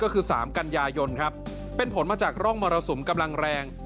ก็คือ๓กันยายนครับเป็นผลมาจากร่องมรสุมกำลังแรง